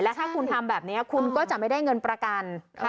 ถ้าคุณทำแบบนี้คุณก็จะไม่ได้เงินประกัน